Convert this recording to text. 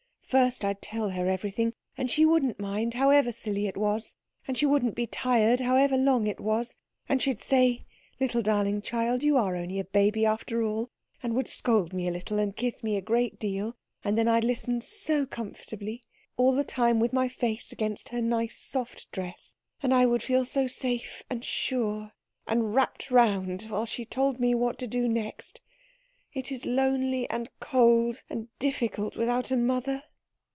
First I'd tell her everything, and she wouldn't mind however silly it was, and she wouldn't be tired however long it was, and she'd say 'Little darling child, you are only a baby after all,' and would scold me a little, and kiss me a great deal, and then I'd listen so comfortably, all the time with my face against her nice soft dress, and I would feel so safe and sure and wrapped round while she told me what to do next. It is lonely and cold and difficult without a mother."